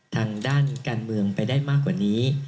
ทางด้านการเมืองไปได้มากกว่านี้